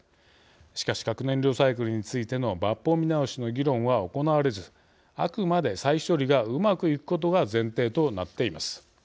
しかし核燃料サイクルについての抜本見直しの議論は行われずあくまで、再処理がうまくいくことが前提となっています。